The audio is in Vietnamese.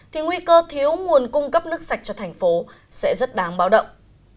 thì nguy cơ thiếu nguồn cung cấp nước sạch cho thành phố sẽ rất đáng báo động